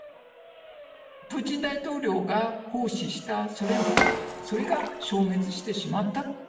プーチン大統領が奉仕したソ連邦、それが消滅してしまった。